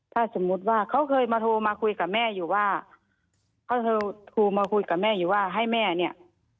ถ้าสมมุติว่าเขาเคยมาโทรมาคุยกับแม่อยู่ว่าเขาโทรมาคุยกับแม่อยู่ว่าให้แม่เนี่ย